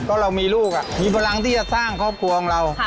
เพราะเรามีลูกมีพลังที่จะสร้างครอบครัวของเรา